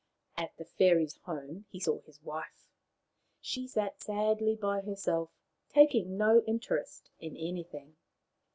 At the fairies' home he saw his wife. She sat sadly by herself, taking no interest in anything.